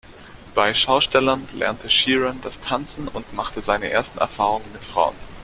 Bei Schaustellern lernte "Sheeran" das Tanzen und machte seine ersten Erfahrungen mit Frauen.